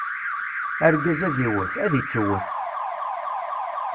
Argaz ad iwwet, ad ittuwwet.